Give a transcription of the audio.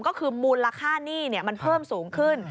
ก็คือมูลราคานี่เนี่ยมันเพิ่มสูงขึ้น